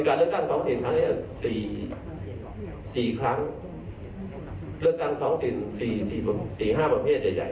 เลือกตั้งของสิ่ง๔๕ประเภทใหญ่